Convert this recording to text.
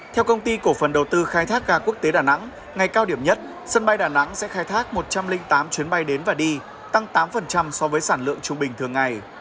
theo công ty cổ phần đầu tư khai thác ga quốc tế đà nẵng ngày cao điểm nhất sân bay đà nẵng sẽ khai thác một trăm linh tám chuyến bay đến và đi tăng tám so với sản lượng trung bình thường ngày